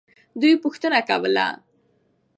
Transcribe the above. دوی پوښتنه کوله.